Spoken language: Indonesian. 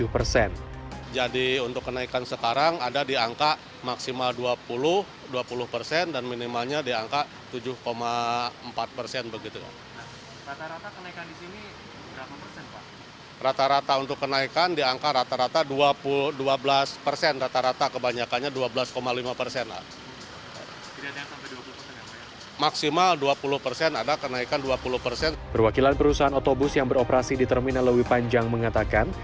perwakilan perusahaan otobus yang beroperasi di terminal lowi panjang mengatakan